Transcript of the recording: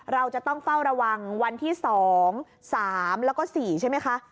เราจะต้องเฝ้าระวังวันที่๒๓แล้วก็๔ใช่ไหมคะ